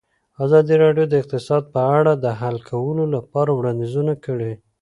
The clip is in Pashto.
ازادي راډیو د اقتصاد په اړه د حل کولو لپاره وړاندیزونه کړي.